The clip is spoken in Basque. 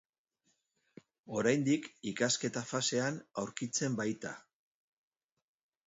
Oraindik ikasketa fasean aurkitzen baita.